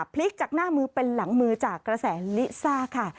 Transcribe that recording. พลิกจากหน้ามือเป็นหลังมือจากกระแสลิซ่าค่ะ